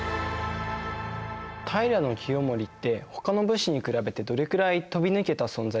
平清盛ってほかの武士に比べてどれくらい飛び抜けた存在だったんですか？